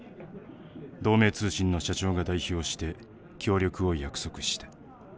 同盟通信の社長が代表して協力を約束した。